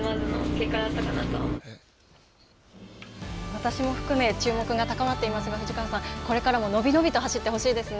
私も含め、注目が高まっていますが藤川さん、これからも伸び伸びと走ってほしいですね。